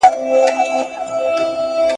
قلم ډک لرم له وینو نظم زما په وینو سور دی !.